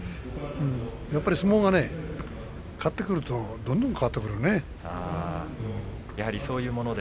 やっぱり相撲はね、勝ってくるとどんどん変わってくるので。